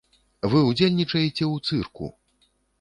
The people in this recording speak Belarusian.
Вы ўдзельнічаеце ў цырку!